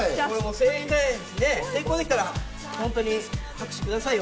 成功できたら、本当に拍手をくださいよ。